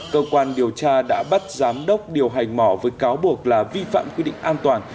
cơ quan điều tra đã bắt giám đốc điều hành mỏ với cáo buộc là vi phạm quy định an toàn